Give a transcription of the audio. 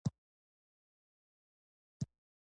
د باطل له ځواک وروسته عکس العملي اقدام وکړئ.